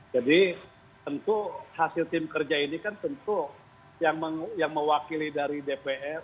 jadi tentu hasil tim kerja ini kan tentu yang mewakili dari dpr